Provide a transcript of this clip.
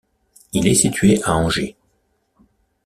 Il est situé à Angers.